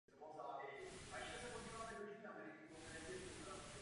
Již jeho školní práce byly oceňovány na významných studentských filmových festivalech.